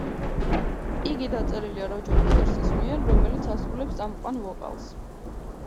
იგი დაწერილია როჯერ უოტერსის მიერ, რომელიც ასრულებს წამყვან ვოკალს.